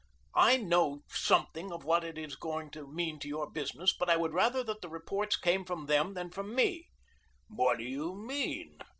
I know something of what it is going to mean to your business, but I would rather that the reports come from them than from me." "What do you mean?"